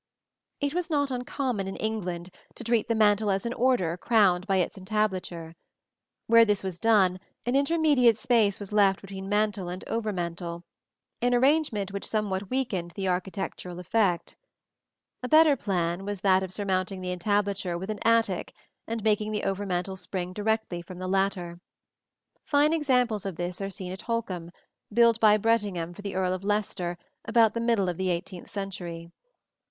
It was not uncommon in England to treat the mantel as an order crowned by its entablature. Where this was done, an intermediate space was left between mantel and over mantel, an arrangement which somewhat weakened the architectural effect. A better plan was that of surmounting the entablature with an attic, and making the over mantel spring directly from the latter. Fine examples of this are seen at Holkham, built by Brettingham for the Earl of Leicester about the middle of the eighteenth century.